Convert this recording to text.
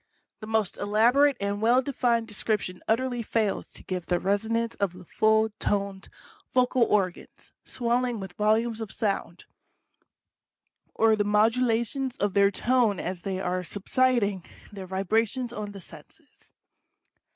The most elaborate and well defined description utterly fails to give the resonance of the full toned vocal organs, swelling with volumes of sound, or the mod ulations of their tone as they are subsiding their vibrations on the senses.